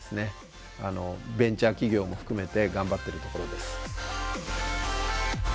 ベンチャー企業も含めて頑張ってるところです。